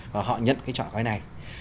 và họ nhận cái chọn gói này